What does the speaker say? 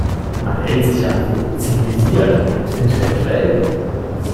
Man hält sich ja für zivilisiert und intellektuell.